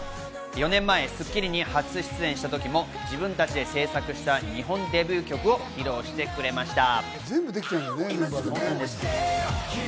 ４年前『スッキリ』に初出演した時も自分たちで制作した日本デビュー曲を披露してくれました。